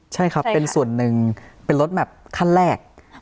ใช่ครับเป็นส่วนหนึ่งเป็นรถแบบขั้นแรก